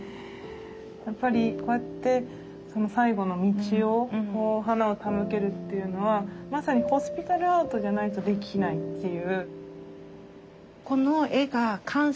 やっぱりこうやって最後の道を花を手向けるっていうのはまさにホスピタルアートじゃないとできないっていう。